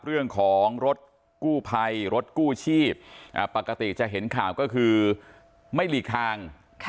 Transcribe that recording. เรื่องของรถกู้ภัยรถกู้ชีพปกติจะเห็นข่าวก็คือไม่หลีกทาง